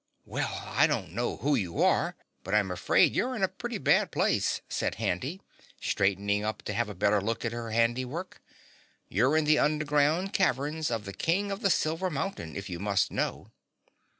"Well, I don't know who you are, but I'm afraid you're in a pretty bad place," said Handy, straightening up to have a better look at her handiwork. "You're in the underground caverns of the King of the Silver Mountain, if you must know."